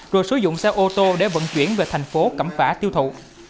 rồi sử dụng xe ô tô để vận chuyển về thành phố cẩm phả tiêu thụ